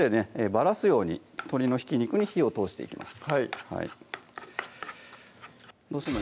ばらすように鶏のひき肉に火を通していきます